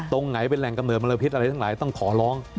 ตรงไหนเป็นแหล่งกำเนิดมลพิษอะไรทั้งหลายต้องขอร้อง